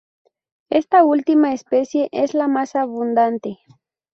Esta última especie es la más abundante.